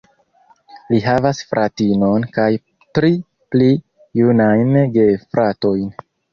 Li havas fratinon kaj tri pli junajn gefratojn.